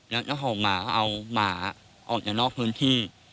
แล้วเจ้าของหมาเอาหมาออกจากนอกพื้นที่